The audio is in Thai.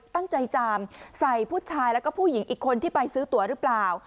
จามใส่ผู้ชายแล้วก็ผู้หญิงอีกคนที่ไปซื้อตัวหรือเปล่า